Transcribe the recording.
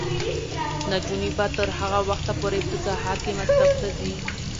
نجونې به تر هغه وخته پورې په سهار کې مکتب ته ځي.